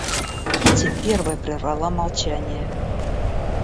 Кити первая прервала молчание.